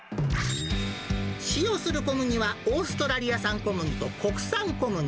使用する小麦はオーストラリア産小麦と国産小麦。